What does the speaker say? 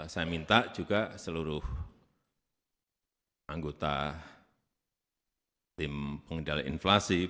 saya minta juga seluruh anggota tim pengendali inflasi